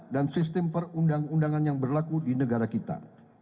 dan sistem perundang undangan yang berlaku di negara kita